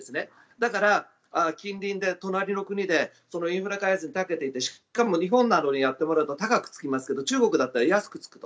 だから、近隣で隣の国でインフラ開発に長けていてしかも日本などにやってもらうと高くつきますけど中国だったら安くつくと。